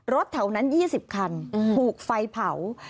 แถวนั้น๒๐คันถูกไฟเผา